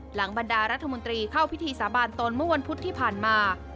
บรรดารัฐมนตรีเข้าพิธีสาบานตนเมื่อวันพุธที่ผ่านมา